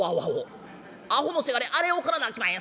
アホのせがれあれを怒らなあきまへん。